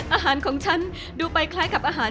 อาหารของฉันดูไปคล้ายกับอาหาร